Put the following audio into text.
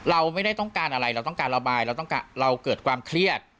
เราไม่ได้ต้องการอะไรเราต้องการระบายเราต้องการเราเกิดความเครียด